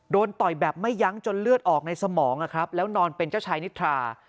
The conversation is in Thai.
ต่อยแบบไม่ยั้งจนเลือดออกในสมองนะครับแล้วนอนเป็นเจ้าชายนิทรา